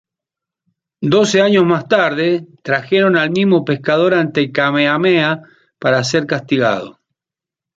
Doce años más tarde, trajeron al mismo pescador ante Kamehameha para ser castigado.